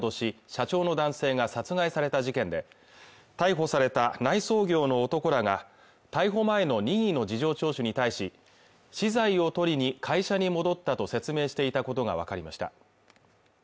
社長の男性が殺害された事件で逮捕された内装業の男らが逮捕前の任意の事情聴取に対し資材を取りに会社に戻ったと説明していたことが分かりました